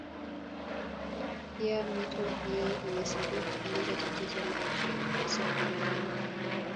Pia mito hii imesaidia kupunguza tatizo la ajira hasa kwa vijana